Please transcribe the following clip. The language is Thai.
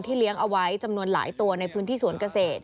เลี้ยงเอาไว้จำนวนหลายตัวในพื้นที่สวนเกษตร